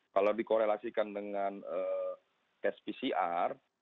kalau dikorelasikan dengan spcr